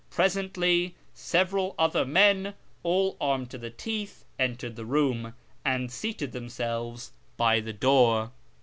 Presently several other men, all armed to the teeth, entered the room, and seated themselves by the door.